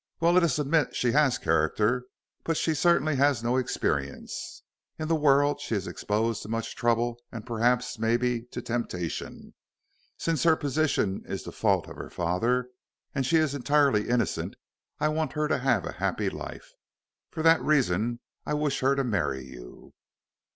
"Well, let us admit she has character, but she certainly has no experience. In the world, she is exposed to much trouble and, perhaps, may be, to temptation. Since her position is the fault of her father, and she is entirely innocent, I want her to have a happy life. For that reason I wish her to marry you."